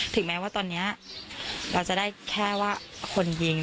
ถึงแม้ว่าตอนนี้เราจะได้แค่ว่าคนยิง